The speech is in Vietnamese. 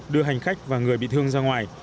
đưa hành khách và người bị thương ra ngoài